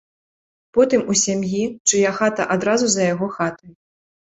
Потым у сям'і, чыя хата адразу за яго хатай.